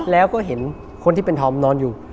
แล้วก็เห็นคนที่เป็นธอมนอนอยู่